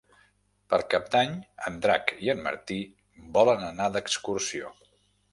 Per Cap d'Any en Drac i en Martí volen anar d'excursió.